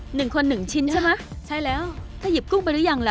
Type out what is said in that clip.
หนึ่งคนหนึ่งชิ้นใช่ไหมใช่แล้วถ้าหยิบกุ้งไปหรือยังล่ะ